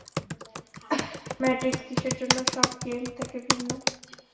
Matrix কিসের জন্য সব গেম থেকে ভিন্ন?